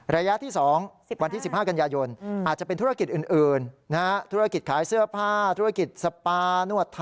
ระยะที่สองวันที่๑๕กันยายนน